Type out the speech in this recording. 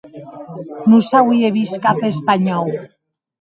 Non s'auie vist cap espanhòu.